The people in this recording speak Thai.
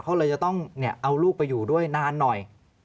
เขาเลยจะต้องเอาลูกไปอยู่ด้วยนานหน่อย